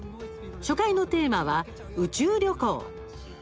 初回のテーマは宇宙旅行。